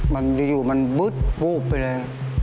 มันอยู่มันบึ๊ดวูบไปเลย